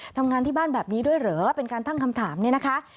ทำงานที่บ้านแบบนี้ด้วยเหรอเป็นการตั้งคำถามเนี่ยนะคะ